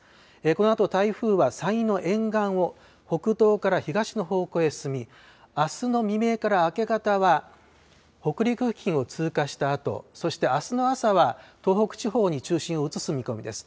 このあと台風は山陰の沿岸を北東から東の方向へ進み、あすの未明から明け方は北陸付近を通過したあと、そしてあすの朝は東北地方に中心を移す見込みです。